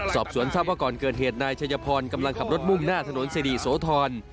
สอบสวนทราบว่าก่อนเกิดเหตุนายชัยพรกำลังขับรถมุ่งหน้าถนนสิริโสธร